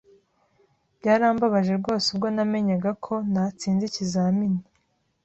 Byarambabaje rwose ubwo namenyaga ko ntatsinze ikizamini.